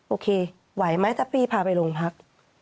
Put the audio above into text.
โอเคไหวไหมถ้าพี่พาไปโรงพัก